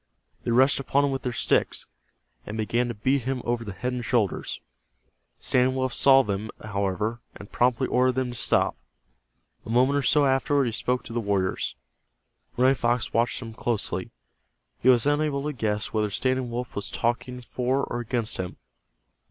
They rushed upon him with their sticks, and began to beat him over the head and shoulders. Standing Wolf saw them, however, and promptly ordered them to stop. A moment or so afterward he spoke to the warriors. Running Fox watched him closely. He was unable to guess whether Standing Wolf was talking for or against him.